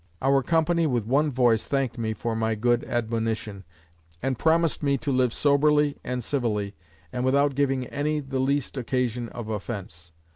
Our company with one voice thanked me for my good admonition, and promised me to live soberly and civilly, and without giving any the least occasion of offence.